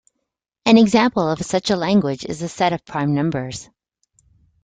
An example of such a language is the set of prime numbers.